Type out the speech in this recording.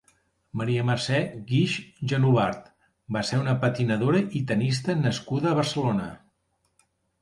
Maria Mercè Guix Genobart va ser una patinadora i tennista nascuda a Barcelona.